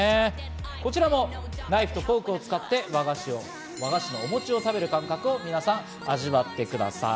こちらもナイフとフォークを使って、和菓子のお餅を食べる感覚をぜひ皆さん、味わってください。